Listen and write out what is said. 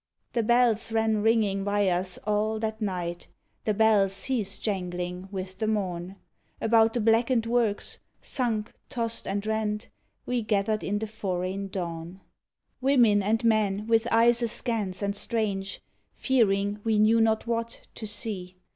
The bells ran ringing by us all that night. The bells ceased jangling with the morn. About the blackened works, sunk, tossed, and rent, We gathered in the foreign dawn; Women and men, with eyes askance and strange, Fearing, we knew not what, to see.